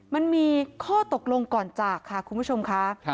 มันมีข้อตกลงก่อนจากค่ะคุณผู้ชมค่ะ